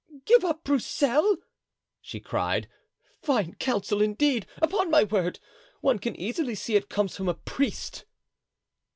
"Give up Broussel!" she cried; "fine counsel, indeed. Upon my word! one can easily see it comes from a priest."